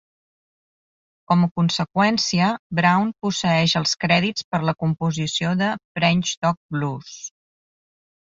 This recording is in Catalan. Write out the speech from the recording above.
Com a conseqüència, Brown posseeix els crèdits per la composició de "French Dog Blues".